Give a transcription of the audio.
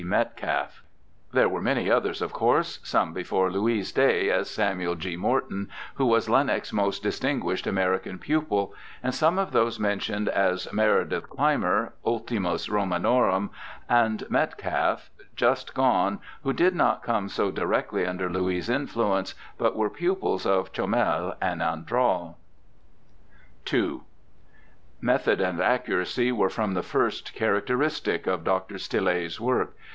Metcalfe.' There were many others, of course — some before Louis' day, as Samuel G. Morton, who was Laennec's most distinguished American pupil, and some of those mentioned, as Meredith Clymer [itltimus RotJianontni ') and Metcalfe, just gone, who did not come so directly under Louis' influence, but were pupils of Chomel and Andral. II Method and accuracy were from the first character istic of Dr. Stille's work.